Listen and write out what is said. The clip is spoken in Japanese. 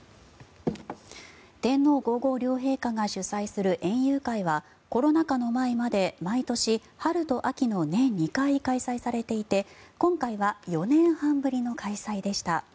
天皇・皇后両陛下が主催する園遊会はコロナ禍の前まで毎年、春と秋の年２回開催されていて今回は４年半ぶりの開催でした。